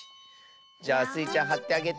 じゃあスイちゃんはってあげて。